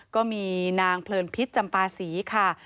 ก็มีนางเพลินพิษจำปาศรีค่ะ